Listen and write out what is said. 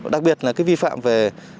đặc biệt là cái vi phạm về